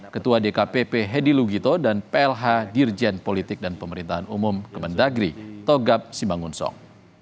ketua dkpp hedy lugito dan plh dirjen politik dan pemerintahan umum kemendagri togab simangun song